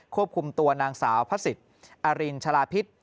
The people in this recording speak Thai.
ควบคุมตัวนางสาวพระศิษย์อรินชาลาพิษ